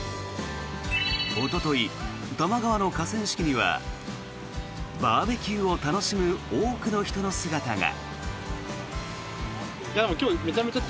おととい、多摩川の河川敷にはバーベキューを楽しむ多くの人の姿が。